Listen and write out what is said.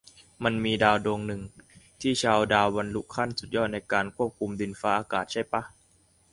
มันมีดาวดวงนึง ที่ชาวดาวบรรลุขั้นสุดยอดในการควบคุมดินฟ้าอากาศใช่ป่ะ ?